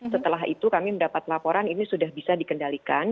setelah itu kami mendapat laporan ini sudah bisa dikendalikan